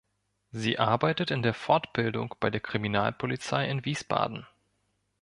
Sie arbeitet in der Fortbildung bei der Kriminalpolizei in Wiesbaden.